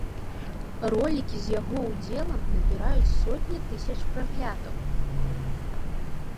Ролікі з яго удзелам набіраюць сотні тысяч праглядаў.